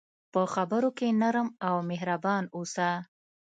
په خبرو کې نرم او مهربان اوسه.